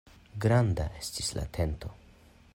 Granda estis la tento.